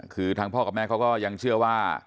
คือทางพ่อกับแม่เขาก็ยังเชื่อว่า